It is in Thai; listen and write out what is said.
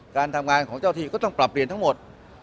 การทำงานของเจ้าที่ก็ต้องปรับเปลี่ยนทั้งหมด